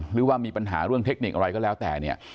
หรือว่ามีปัญหาเรื่องเทคนิคอะไรก็แล้วแต่เนี่ย